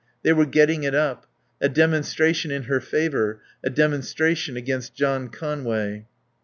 They were getting it up a demonstration in her favour, a demonstration against John Conway.